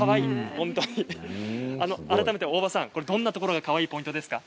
改めて大場さん、どんなところがかわいいポイントですか？